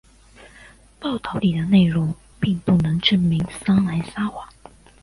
报道里的内容并不能证明桑兰撒谎。